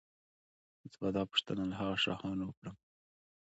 زه به دا پوښتنه له شاهانو وکړم.